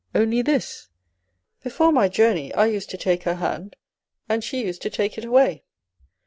" Only this : before my journey, I used to take her hand, and she used to take it away.